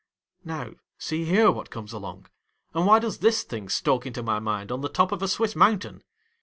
Now, see here what comes along ; and why does this thing stalk into my mind on the top of a Swiss mountain